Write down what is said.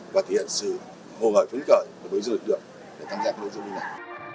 và thể hiện sự hồ ngợi phấn khởi với dự lực lượng để tham gia cái lễ kỷ niệm này